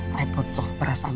repot soal perasaan